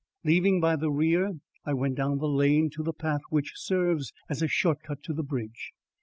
Leaving by the rear, I went down the lane to the path which serves as a short cut to the bridge.